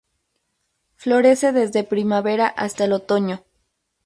Florece desde primavera hasta el otoño.